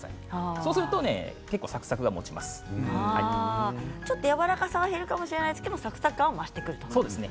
そうするとちょっとやわらかさが減るかもしれないけどサクサク感が増してくると。